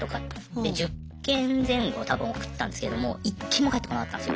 で１０件前後多分送ったんですけども１件も返ってこなかったんですよ。